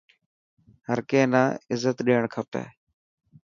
هر ڪي نا عزت ڏيڻ کپي.